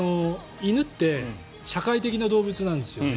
犬って社会的な動物なんですよね。